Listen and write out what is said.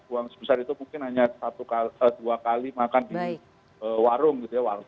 uang sebesar itu mungkin hanya dua kali makan di warung gitu ya